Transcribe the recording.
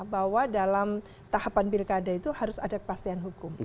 bahwa dalam tahapan pilkada itu harus ada kepastian hukum